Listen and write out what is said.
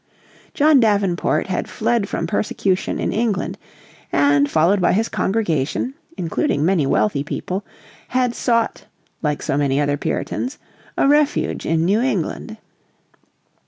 John Davenport had fled from persecution in England, and, followed by his congregation, including many wealthy people, had sought, like so many other Puritans, a refuge in New England.